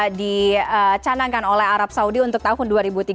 dan juga dipercayakan oleh arab saudi untuk tahun dua ribu tiga puluh